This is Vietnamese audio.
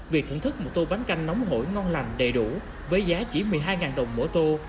việc thưởng thức một tô bánh canh nóng hổi ngon lành đầy đủ với giá chỉ một mươi hai đồng mỗi tô